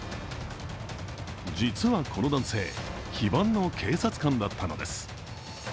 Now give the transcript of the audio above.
実はこの男性、非番の警察官だったのです。